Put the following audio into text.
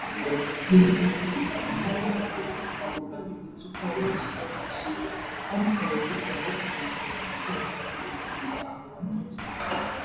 Minisitiri Kaboneka yanavuze imbogamizi z’uko hari inzoga zicibwa ariko abazikora aho kugira ngo bazireke bakazihindurira amazina gusa